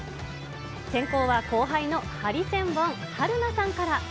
先行は後輩のハリセンボン・春菜さんから。